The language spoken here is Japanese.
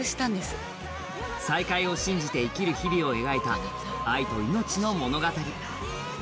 再会を信じて生きる日々を描いた愛と命の物語。